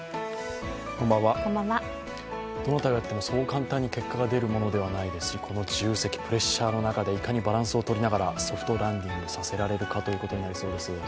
どなたがやってもそう簡単に結果が出るものではないですしこの重責、プレッシャーの中でいかにバランスをとりながらソフトランディングさせられるかということになりそうです。